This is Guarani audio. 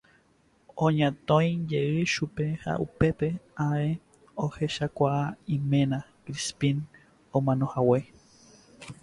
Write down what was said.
Oñatõijey chupe ha upépe ae ohechakuaa iména Crispín omanohague.